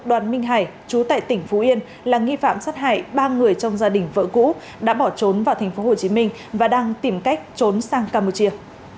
đoàn minh hải chú tại tỉnh phú yên là nghi phạm sát hại ba người trong gia đình vợ cũ đã bỏ trốn vào tp hcm và đang tìm cách trốn sang campuchia